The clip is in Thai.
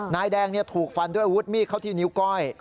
นายแดงถูกฟันด้วยอาวุธมีดเข้าที่นิ้วก้อย